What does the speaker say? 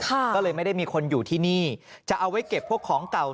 ก็เลยไม่ได้มีคนอยู่ที่นี่จะเอาไว้เก็บพวกของเก่า